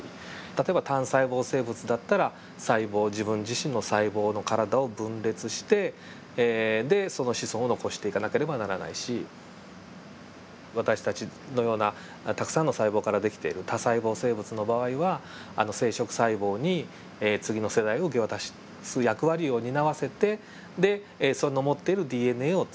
例えば単細胞生物だったら細胞自分自身の細胞の体を分裂してその子孫を残していかなければならないし私たちのようなたくさんの細胞からできている多細胞生物の場合は生殖細胞に次の世代を受け渡す役割を担わせてでその持っているＤＮＡを次の世代に受け渡していく。